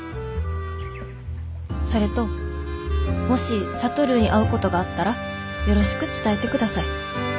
それともし智に会うことがあったらよろしく伝えてください」。